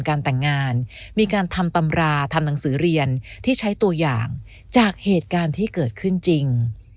การแต่งงานมีการทำตำราทำหนังสือเรียนที่ใช้ตัวอย่างจากเหตุการณ์ที่เกิดขึ้นจริง